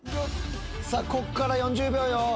さぁここから４０秒よ。